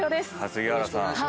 杉原さん。